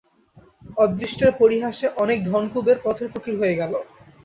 অদৃষ্টের পরিহাসে অনেক ধনকুবের পথের ফকির হয়ে গেল।